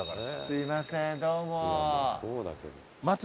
すみませんどうも。